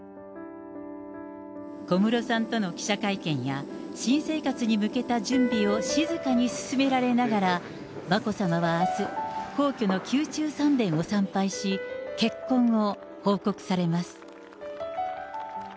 小室さんとの記者会見や、新生活に向けた準備を静かに進められながら、眞子さまはあす、皇居の宮中三殿を参拝し、結婚を報告されます。